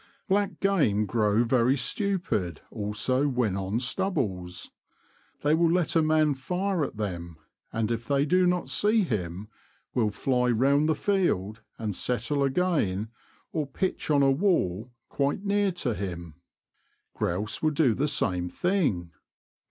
Black game grow very stupid also when on stubbles ; they will let a man fire at them, and if they do not see him, will fly round the field and settle again, or pitch on a wall quite near to him. Grouse will do the same thing.